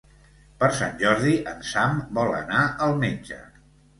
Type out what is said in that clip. Per Sant Jordi en Sam vol anar al metge.